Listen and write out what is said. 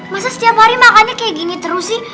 masa setiap hari makannya kayak gini terus sih